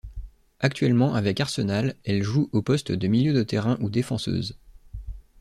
Actuellement avec Arsenal, elle joue au poste de milieu de terrain ou défenseuse.